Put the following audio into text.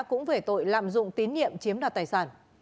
cũng về tội lạm dụng tín nhiệm chiếm đoạt tài sản